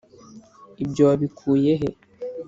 ibyo wabikuye he?